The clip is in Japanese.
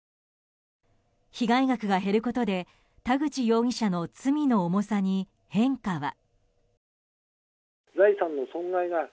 被害額が減ることで田口容疑者の罪の重さに変化は。